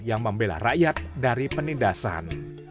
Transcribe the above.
yang membela rakyat dari penindasan